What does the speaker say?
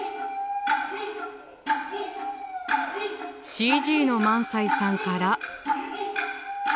ＣＧの萬斎さんから。